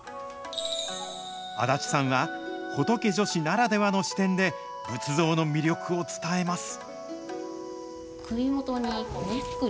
安達さんはホトケ女子ならではの視点で、仏像の魅力を伝えます。